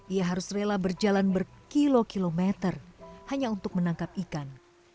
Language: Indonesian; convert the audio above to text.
ia harus rela berjalan berkilo kilometer hanya untuk menangkap ikan